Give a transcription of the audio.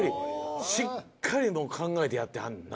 しっかりもう考えてやってはんねんな。